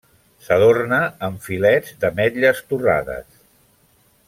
S'adorna amb filets d'ametlles torrades.